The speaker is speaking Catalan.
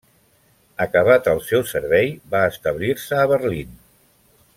Acabat el seu servei, va establir-se a Berlín.